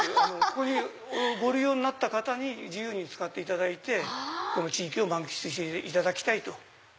ここをご利用になった方に自由に使っていただいてこの地域を満喫していただきたいと。